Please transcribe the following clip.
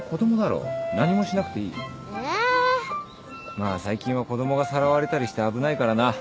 まあ最近は子供がさらわれたりして危ないからな。